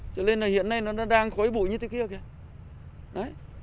cho nên hiện nay nó đang khói bụi như thế kia kìa